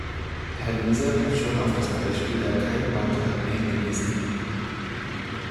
Herr Liese hat schon auf das Beispiel der Keimbahn-Therapie hingewiesen.